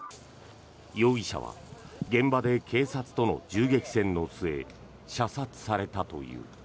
容疑者は現場で警察との銃撃戦の末、射殺されたという。